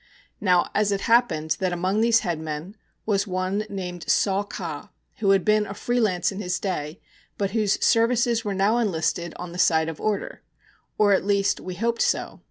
Now, it happened that among these headmen was one named Saw Ka, who had been a free lance in his day, but whose services were now enlisted on the side of order or, at least, we hoped so.